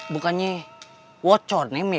bukannya bocor nem ya